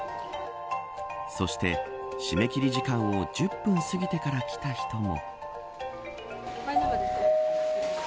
そして、締め切り時間を１０分過ぎてから来た人も。